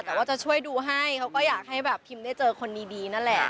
แต่ว่าจะช่วยดูให้เขาก็อยากให้แบบพิมได้เจอคนดีนั่นแหละ